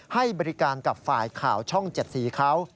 ให้บริการกับฝ่ายข่าวช่อง๗สีเขา